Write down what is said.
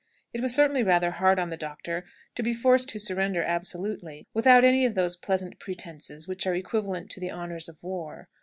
It was certainly rather hard on the doctor to be forced to surrender absolutely, without any of those pleasant pretences which are equivalent to the honours of war.